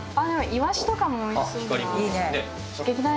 イワシとかもおいしそうだな。